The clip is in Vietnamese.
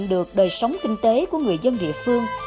được đời sống kinh tế của người dân địa phương